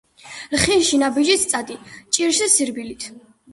ლხინში ნაბიჯით წადი, ჭირში სირბილით